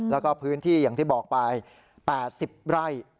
แล้วก็พื้นที่อย่างที่บอกไป๘๐ไร่